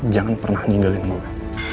jangan pernah ninggalin gue